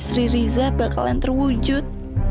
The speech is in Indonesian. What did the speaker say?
istri riza bakalan terwujud